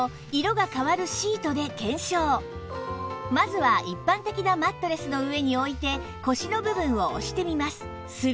まずは一般的なマットレスの上に置いて腰の部分を押してみます。